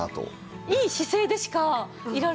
いい姿勢でしかいられない感じ。